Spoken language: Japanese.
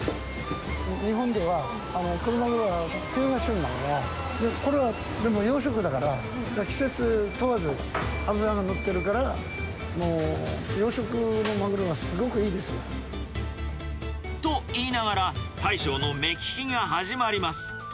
日本ではクロマグロは冬が旬なので、これはでも養殖だから、季節問わず脂が乗ってるから、もう養殖のマグロがすごくいいです。と言いながら、大将の目利きが始まります。